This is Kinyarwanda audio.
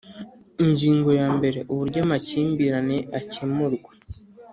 Ingingo ya mbere Uburyo amakimbirane akemurwa